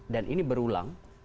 dan ini berulang